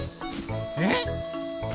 えっ？